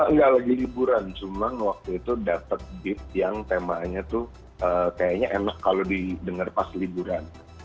enggak lagi liburan cuma waktu itu dapet beat yang temanya tuh kayaknya enak kalau didengar pas liburan